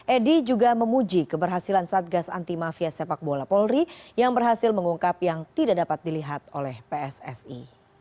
edi juga memuji keberhasilan satgas anti mafia sepak bola polri yang berhasil mengungkap yang tidak dapat dilihat oleh pssi